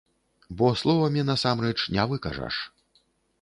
Бо словамі насамрэч не выкажаш.